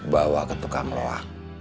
bawa ke tukang loak